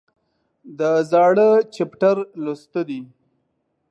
د زاړه چپټر لوسته دي